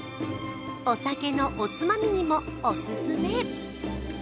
お酒のおつまみにも、オススメ。